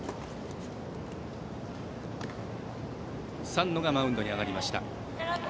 三野がマウンドに上がりました。